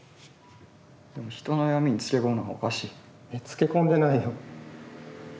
でも人の弱みにつけこむのはおかしい。いやつけこんでないよ。